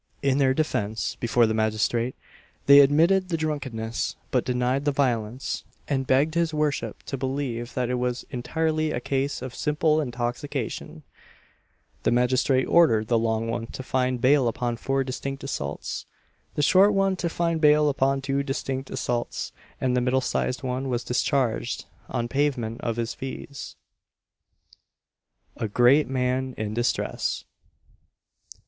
In their defence before the magistrate, they admitted the drunkenness, but denied the violence; and begged his worship to believe that it was "entirely a case of simple intoxication." [Illustration: BUNDLING UP.] The magistrate ordered the long one to find bail upon four distinct assaults; the short one to find bail upon two distinct assaults; and the middle sized one was discharged on payment of his fees. A GREAT MAN IN DISTRESS.